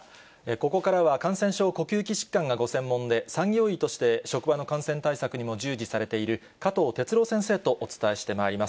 ここからは、感染症、呼吸器疾患がご専門で、産業医として職場の感染対策にも従事されている、加藤哲朗先生とお伝えしてまいります。